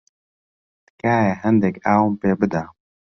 تکایە هەندێک ئاوم پێ بدە.